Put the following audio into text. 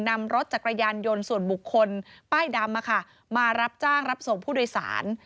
นำรถจักรยานยนต์ส่วนบุคคลป้ายดำมารับจ้างรับส่งผู้โดยสาร